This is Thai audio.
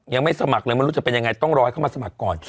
ยังไม่สมัครเลยไม่รู้จะเป็นยังไงต้องรอให้เข้ามาสมัครก่อน